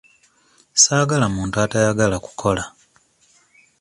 Saagala muntu atayagala kukola.